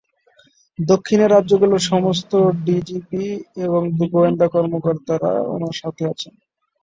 দক্ষিণের রাজ্যগুলির সমস্ত ডিজিপি এবং গোয়েন্দা কর্মকর্তারা উনার সাথে আছেন।